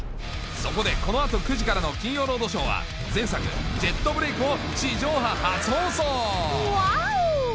そこでこの後９時からの『金曜ロードショー』は前作『ジェットブレイク』を地上波初放送ワオ！